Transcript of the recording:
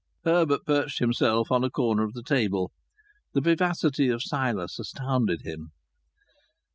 Herbert perched himself on a corner of the table. The vivacity of Silas astounded him.